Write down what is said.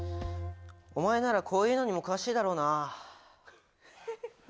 お前ならこういうのにも詳しいだろうな。